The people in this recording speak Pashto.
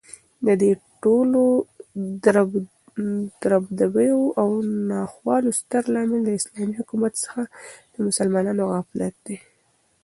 ددې ټولو دربدريو او ناخوالو ستر لامل داسلامې حكومت څخه دمسلمانانو غفلت دى